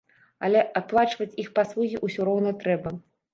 Але аплачваць іх паслугі ўсё роўна трэба.